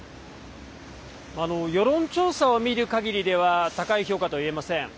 世論調査を見るかぎりでは高い評価とは言えません。